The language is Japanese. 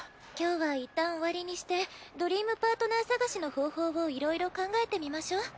今日はいったん終わりにしてドリームパートナー捜しの方法をいろいろ考えてみましょ。